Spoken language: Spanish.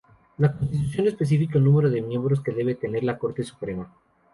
La Constitución no especifica el número de miembros que debe tener la Corte Suprema.